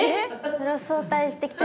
それを早退してきたりとか。